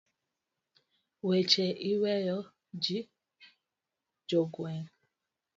Weche iweyo ji jogweng'.